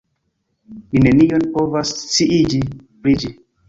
Ni nenion povas sciiĝi pri ĝi.